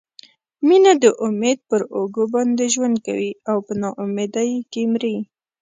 مینه د امید پر اوږو باندې ژوند کوي او په نا امیدۍ کې مري.